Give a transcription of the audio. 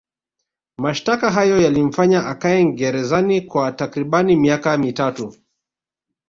Mashtaka hayo yalimfanya akae gerezani kwa takribani miaka mitatu